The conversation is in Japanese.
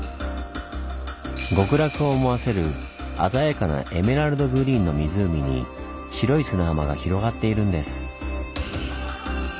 極楽を思わせる鮮やかなエメラルドグリーンの湖に白い砂浜が広がっているんです。